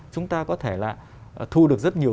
chúng ta có thể là thu được rất nhiều